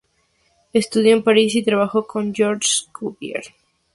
Estudió en París, y trabajó con Georges Cuvier.